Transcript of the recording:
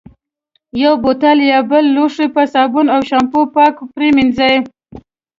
یو بوتل یا بل لوښی په صابون او شامپو پاک پرېمنځي.